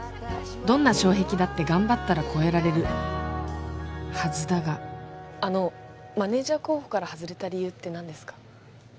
どんな障壁だって頑張ったら越えられるはずだがあのマネージャー候補から外れた理由って何ですか？